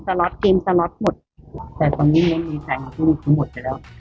ซาลอสแต่สองนี้มันมีสายเป็นคู่